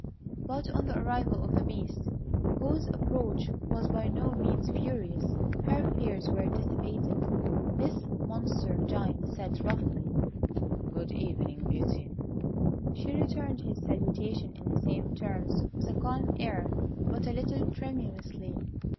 But on the arrival of the Beast, whose approach was by no means furious, her fears were dissipated. This monstrous giant said, roughly, "Good evening, Beauty." She returned his salutation in the same terms, with a calm air, but a little tremulously.